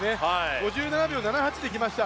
５７秒７８できました。